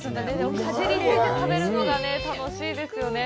かじって食べるのが、楽しいですよね。